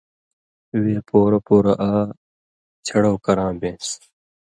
وے پورہ پورہ آ چھڑؤ کراں بین٘س